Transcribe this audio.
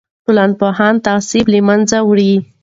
ټولنپوهنه تعصب له منځه وړي.